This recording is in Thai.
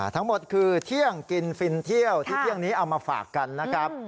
ทั้งหมดคือเที่ยงกินฟินเที่ยวที่เที่ยงนี้เอามาฝากกันนะครับ